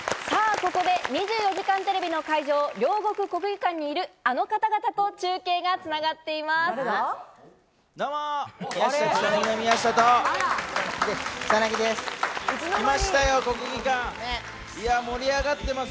ここで『２４時間テレビ』の会場、両国国技にいるあの方々と中継が繋がっています。